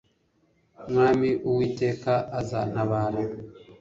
mwami uwiteka, azantabara